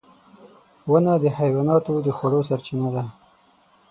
• ونه د حیواناتو د خوړو سرچینه ده.